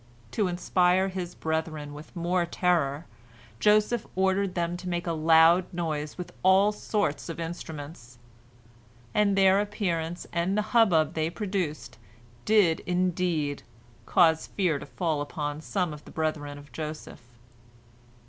To inspire his brethren with more terror, Joseph ordered them to make a loud noise with all sorts of instruments, and their appearance and the hubbub they produced did, indeed, cause fear to fall upon some of the brethren of Joseph.